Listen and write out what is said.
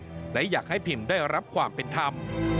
จากตัวเองหรืออยากให้พิมได้รับความเป็นธรรม